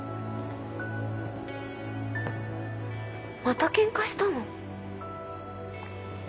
またケンカしたの？